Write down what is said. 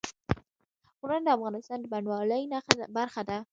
غرونه د افغانستان د بڼوالۍ برخه ده.